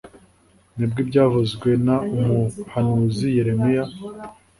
ni bwo ibyavuzwe n umuhanuzi yeremiya